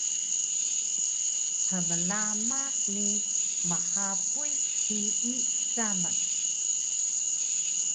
hmlama ni mhapuy hiyi samac